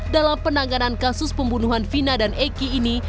dalam penanganan kasus pembunuhan vina dan eki ini